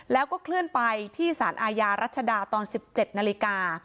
แล้วก็เคลื่อนไปที่สารอาญารัชดาตอน๑๗นาฬิกา